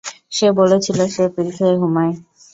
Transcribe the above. সে বলেছিল, সে পিল খেয়ে ঘুমায়!